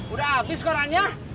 udah abis koranya